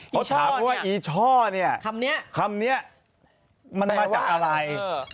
คนถามว่าอีช่อนี้คำเนี่ยคำนี้มันมาจากอะไร